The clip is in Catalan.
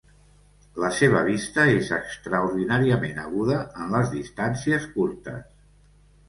La seva vista és extraordinàriament aguda en les distàncies curtes.